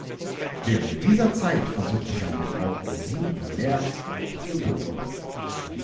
Während dieser Zeit versuchte seine Frau Gesine von Leers, geb.